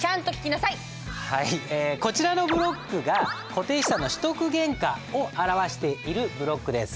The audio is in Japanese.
こちらのブロックが固定資産の取得原価を表しているブロックです。